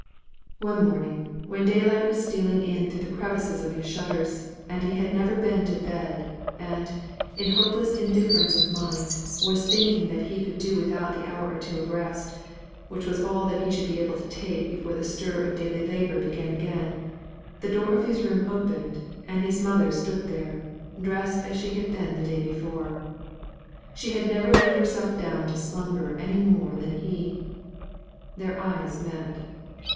One morning, when daylight was stealing in through the crevices of his shutters, and he had never been in bed, and, in hopeless indifference of mind, was thinking that he could do without the hour or two of rest, which was all that he should be able to take before the stir of daily labour began again, the door of his room opened, and his mother stood there, dressed as she had been the day before. She had never laid herself down to slumber any more than he. Their eyes met.